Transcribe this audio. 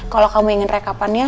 kalau kamu ingin rekapannya